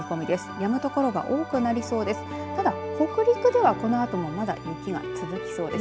やむ所が多くなりそうです。